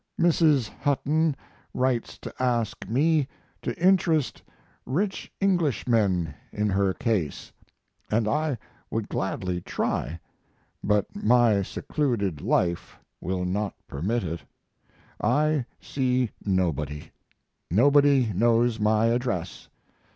Mrs. Hutton writes to ask me to interest rich Englishmen in her case, & I would gladly try, but my secluded life will not permit it. I see nobody. Nobody knows my address.